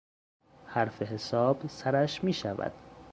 حرف حساب سرش میشود.